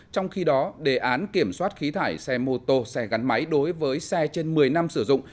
trong khi đó đề án kiểm soát khí thải xe mô tô xe gắn máy đối với xe trên một mươi năm sử dụng